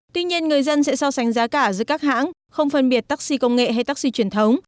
tuy nhiên người dân sẽ so sánh giá cả giữa các hãng không phân biệt taxi công nghệ hay taxi truyền thống